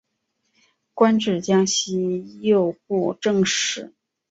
官至江西右布政使。